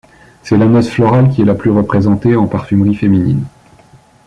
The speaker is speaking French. C'est la note florale qui est la plus représentée en parfumerie féminine.